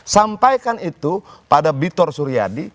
sampaikan itu pada bitor suryadi